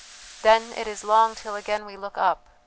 "Then it is long till again we look up.